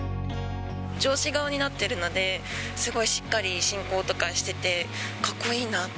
上司顔になってるので、すごいしっかり進行とかしてて、かっこいいなって。